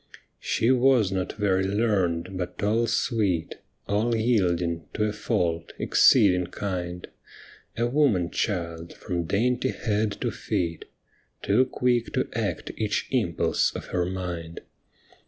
She wa^ not very learned, but all sweet, All yielding, to a fault — exceeding kind. A woman child from dainty head to feet, Too quick to act each impulse of her mind.